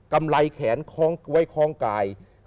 กำไรแขนไว้คล้องกาย